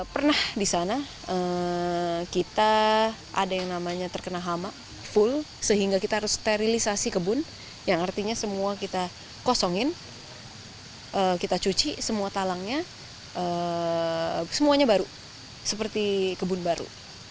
pernah di sana kita ada yang namanya terkena hama full sehingga kita harus sterilisasi kebun yang artinya semua kita kosongin kita cuci semua talangnya semuanya baru seperti kebun baru